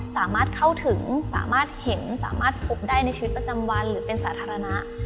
สามารถเข้าถึงสามารถเห็นสามารถพบได้ในชีวิตประจำวันหรือเป็นสาธารณะ